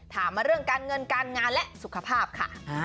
ถามมาเรื่องการเงินการงานและสุขภาพค่ะ